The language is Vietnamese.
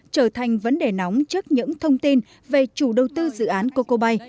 trở thành vấn đề nóng trước những thông tin về chủ đầu tư dự án cocobuy